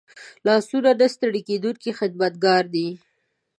لاسونه نه ستړي کېدونکي خدمتګار دي